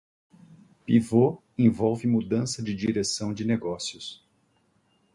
Pivot envolve mudança de direção de negócios.